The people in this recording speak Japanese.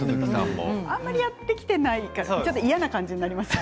あまりやってきていないからちょっと嫌な感じになった。